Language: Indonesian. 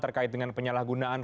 terkait dengan penyalahgunaan